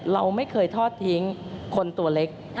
เราไม่เคยทอดทิ้งคนตัวเล็ก